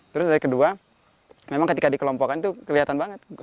terus dari kedua memang ketika dikelompokkan itu kelihatan banget